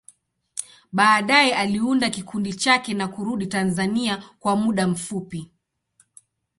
Baadaye, aliunda kikundi chake na kurudi Tanzania kwa muda mfupi.